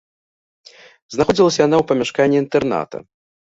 Знаходзілася яна ў памяшканні інтэрната.